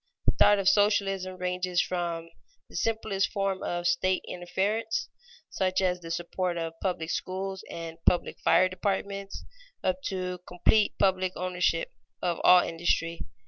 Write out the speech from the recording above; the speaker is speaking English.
The thought of socialism ranges from the simplest form of state interference, such as the support of public schools and public fire departments, up to complete public ownership of all industry.